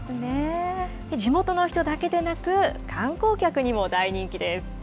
地元の人だけでなく、観光客にも大人気です。